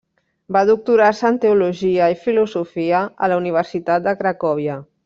Va doctorar-se en teologia i filosofia a la Universitat de Cracòvia.